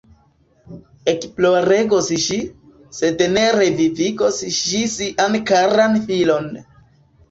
Ekploregos ŝi, sed ne revivigos ŝi sian karan filon!